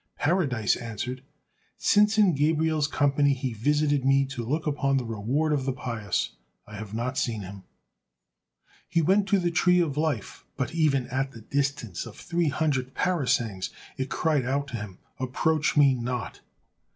Paradise answered, "Since in Gabriel's company he visited me to look upon the reward of the pious, I have not seen him." He went to the tree of life, but even at the distance of three hundred parasangs, it cried out to him: "Approach me not."